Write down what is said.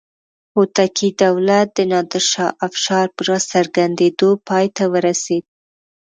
هوتکي دولت د نادر شاه افشار په راڅرګندېدو پای ته ورسېد.